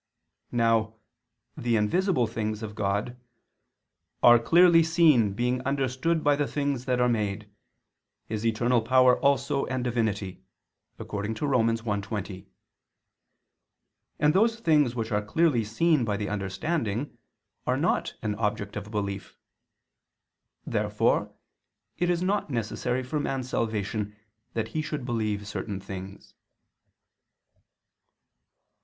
Now "the invisible things" of God "are clearly seen, being understood by the things that are made; His eternal power also and Divinity," according to Rom. 1:20: and those things which are clearly seen by the understanding are not an object of belief. Therefore it is not necessary for man's salvation, that he should believe certain things.